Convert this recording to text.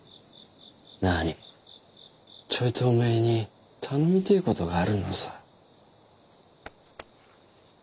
なにちょいとおめえに頼みてえ事があるのさ。